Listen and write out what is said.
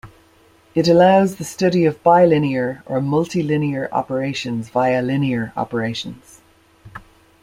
It allows the study of bilinear or multilinear operations via linear operations.